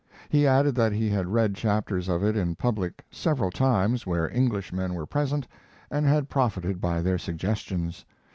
He added that he had read chapters of it in public several times where Englishmen were present and had profited by their suggestions.